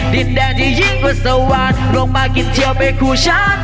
ดินแดนที่ยิ่งกว่าสวรรค์ลงมากินเที่ยวไปคู่ฉัน